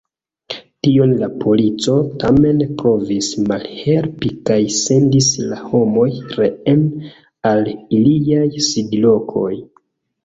Tion la polico tamen provis malhelpi kaj sendis la homoj reen al iliaj sidlokoj.